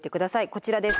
こちらです。